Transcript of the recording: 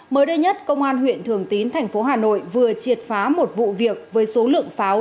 mới đây nhất công an huyện thường tín thành phố hà nội vừa triệt phá một vụ việc với số lượng pháo